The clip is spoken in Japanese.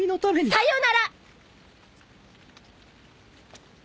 さよなら！